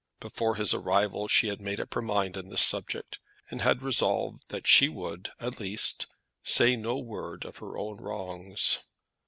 Before his arrival she had made up her mind on this subject, and had resolved that she would, at least, say no word of her own wrongs.